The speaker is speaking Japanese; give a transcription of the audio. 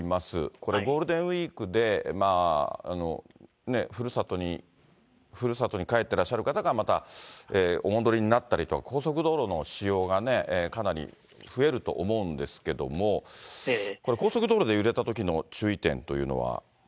これ、ゴールデンウィークでふるさとに帰ってらっしゃる方が、またお戻りになったりとか、高速道路の使用がね、かなり増えると思うんですけれども、これ、高速道路で揺れたときの注意点というのは。